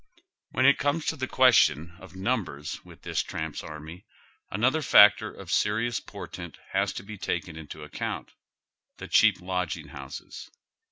WHEN it comes to tlie question o£ nnmbers with tliis tramps' army, another factor of serious portent has to be taken into aceonnt : tlie cheap lodging bouses.